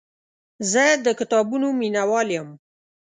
زه د کتابونو مینهوال یم.